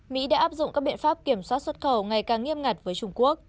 mỹ đã áp dụng các biện pháp kiểm soát xuất khẩu ngày càng nghiêm ngặt với trung quốc